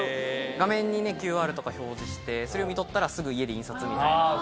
画面にＱＲとか表示してそれを読み取ったらすぐ家で印刷みたいな。